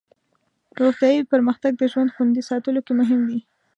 روغتیایي پرمختګ د ژوند خوندي ساتلو کې مهم دی.